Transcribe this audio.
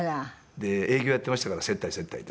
で営業やってましたから接待接待で。